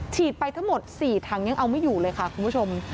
ไปทั้งหมด๔ถังยังเอาไม่อยู่เลยค่ะคุณผู้ชม